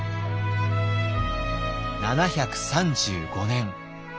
７３５年。